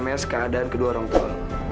mereka memes keadaan kedua orang tua